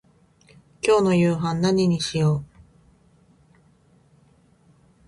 今日の夕飯何にしよう。